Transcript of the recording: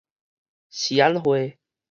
是按會